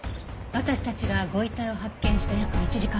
私たちがご遺体を発見した約１時間前。